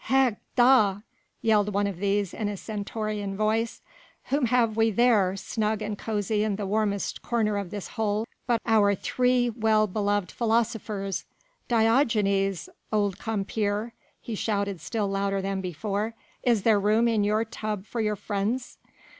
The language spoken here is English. "Hech da!" yelled one of these in a stentorian voice, "whom have we there, snug and cosy in the warmest corner of this hole but our three well beloved philosophers. Diogenes, old compeer," he shouted still louder than before, "is there room in your tub for your friends?"